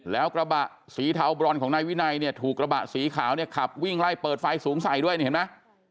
แล้วกระบะสีเทาบรอนของนายวินัยเนี่ยถูกกระบะสีขาวเนี่ยขับวิ่งไล่เปิดไฟสูงใส่ด้วยนี่เห็นไหม